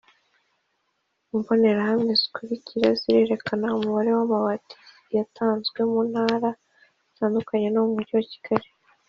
Imbonerahamwe zikurikira zirerekana umubare w amabati yatanzwe mu ntara zitandukanye no mu mujyi wa Kigali